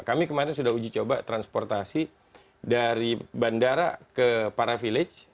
kami kemarin sudah uji coba transportasi dari bandara ke para village